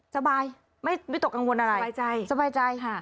สบายไม่วิตกกังวลอะไรสบายใจค่ะ